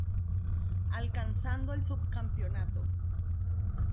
Alcanzando el subcampeonato.